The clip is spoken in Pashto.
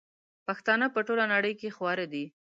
پښتانه په ټوله نړئ کي خواره دي